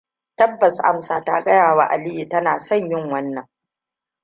Tabbas Amsa ta gaya wa Aliyu tana son yin wannan.